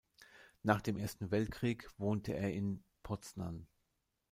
Nach dem Ersten Weltkrieg wohnte er in Poznań.